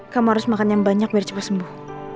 kamu harus makan yang banyak biar cepat sembuh